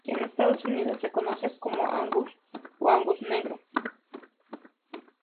En Estados Unidos se conoce como "angus" o "angus negro".